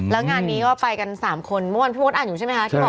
แล้วงานนี้ก็ไปกัน๓คนเมื่อวานพี่มดอ่านอยู่ใช่ไหมคะที่บอก